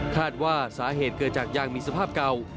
คาดว่าสาเหตุเกิดจากยางมีสภาพเก่า